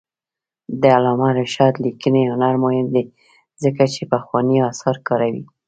د علامه رشاد لیکنی هنر مهم دی ځکه چې پخواني آثار کاروي.